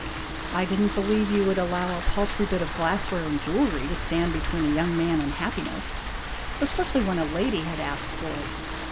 " I did n't believe you would allow a paltry bit of glassware and jewelry to stand between a young man and happiness especially when a lady had asked for it.